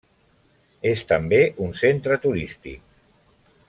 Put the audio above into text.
És també un centre turístic.